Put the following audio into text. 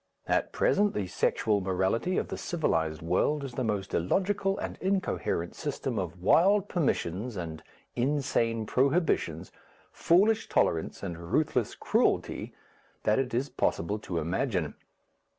At present the sexual morality of the civilized world is the most illogical and incoherent system of wild permissions and insane prohibitions, foolish tolerance and ruthless cruelty that it is possible to imagine.